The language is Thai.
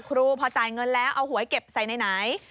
พอจ่ายเงินแล้วเอาหวยเก็บใส่ไหน